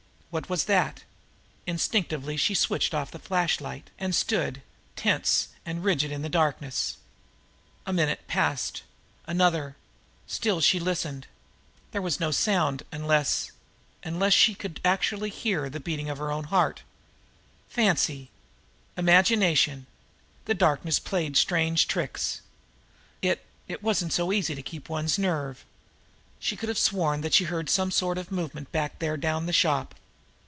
What was that? Instinctively she switched off the flashlight, and stood tense and rigid in the darkness. A minute passed another. Still she listened. There was no sound unless unless she could actually hear the beating of her heart. Fancy! Imagination! The darkness played strange tricks! It it wasn't so easy to keep one' s nerve. She could have sworn that she had heard some sort of movement back there down the shop.